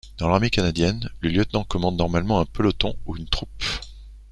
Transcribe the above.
Dans l'Armée canadienne, le lieutenant commande normalement un peloton ou une troupe.